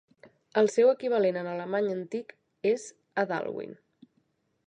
El seu equivalent en alemany antic és Adalwin.